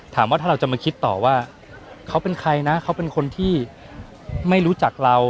ถามว่าถ้าเราจะมาคิดต่อว่าเขาเป็นใครนะเขาเป็นคนที่ไม่รู้จักเรา